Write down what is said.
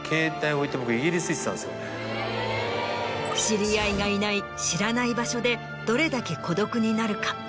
知り合いがいない知らない場所でどれだけ孤独になるか。